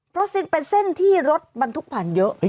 เพราะฉะนั้นเป็นเส้นที่รถบรรทุกภัณฑ์เยอะ